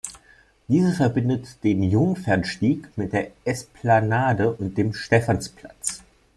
Diese verbindet den Jungfernstieg mit der Esplanade und dem Stephansplatz.